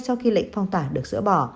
sau khi lệnh phong tỏa được sửa bỏ